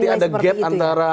seperti ada gap antara